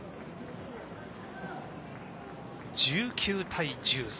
１９対１３。